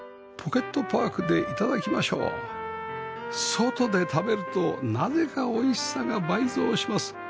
外で食べるとなぜか美味しさが倍増します